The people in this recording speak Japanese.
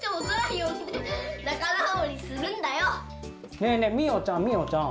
ねえねえみよちゃんみよちゃん。